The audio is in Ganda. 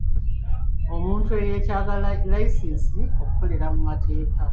Omuntu yeetaaga layisinsi okukolera mu mateeka.